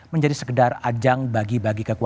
menjadi sekedar ajang bagi bagi kekuasaan